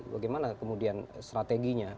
bagaimana kemudian strateginya